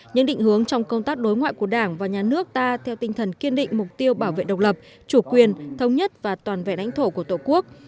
những định hướng trong công tác đối ngoại của đảng và nhà nước ta theo tinh thần kiên định mục tiêu bảo vệ độc lập chủ quyền thống nhất và toàn vẹn lãnh thổ của tổ quốc